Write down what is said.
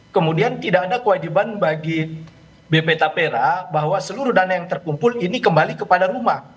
kemudian tidak ada kewajiban bagi bp tapera bahwa seluruh dana yang terkumpul ini kembali kepada rumah